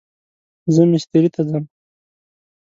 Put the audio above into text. زه مستری ته ځم